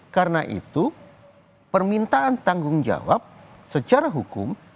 karena itu permintaan tanggung jawab secara hukum